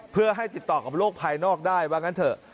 เพื่อให้ติดต่อกับโลกภายนอกได้ว่างั้นเถอะ